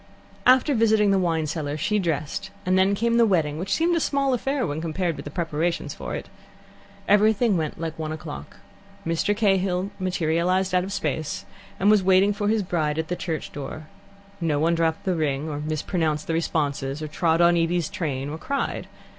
After visiting the wine cellar, she dressed, and then came the wedding, which seemed a small affair when compared with the preparations for it. Everything went like one o'clock. Mr. Cahill materialized out of space, and was waiting for his bride at the church door. No one dropped the ring or mispronounced the responses, or trod on Evie's train, or cried.